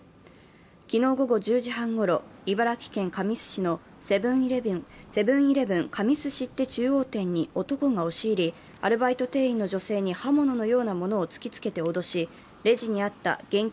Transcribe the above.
昨日午後１０時半ごろ、茨城県神栖市のセブン−イレブン神栖知手中央店に男が押し入り、アルバイト店員の女性に刃物のようなものを突きつけて脅し、レジにあった現金